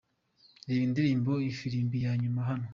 Reba Indirimbo Ifirimbi ya nyuma hano:.